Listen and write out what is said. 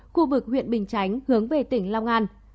khu vực huyện bình chánh hướng về tỉnh long an